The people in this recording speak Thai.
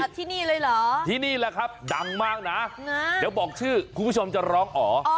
ที่นี่เลยเหรอที่นี่แหละครับดังมากนะเดี๋ยวบอกชื่อคุณผู้ชมจะร้องอ๋อ